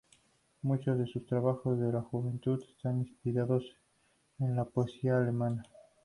Muchos de sus trabajos de juventud están inspirados en la poesía alemana.